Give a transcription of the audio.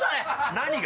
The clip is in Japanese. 何が？